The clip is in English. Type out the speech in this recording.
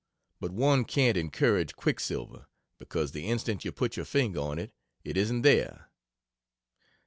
But one can't "encourage" quick silver, because the instant you put your finger on it it isn't there.